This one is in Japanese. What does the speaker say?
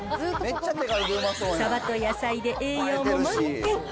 さばと野菜で栄養も満点。